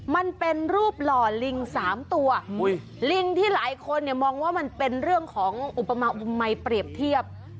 มันเป็นรูปหล่อลิง๓ตัวลิงที่หลายคนเนี่ยมองว่ามันเป็นเรื่องของอุปมาอุมัยเปรียบเทียบ